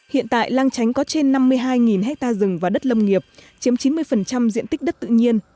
hiện tại lan tránh có trên năm mươi hai hectare rừng và đất lâm nghiệp chiếm chín mươi diện tích đất tự nhiên